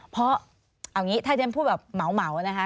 เพราะเอาอย่างนี้ถ้าฉันพูดแบบเหมานะคะ